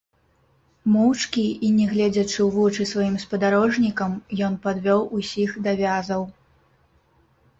Моўчкі і не гледзячы ў вочы сваім спадарожнікам, ён падвёў усіх да вязаў.